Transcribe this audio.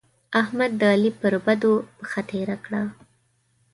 احمد؛ د علي پر بدو پښه تېره کړه.